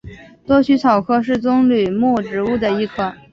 多须草科是棕榈目植物的一科。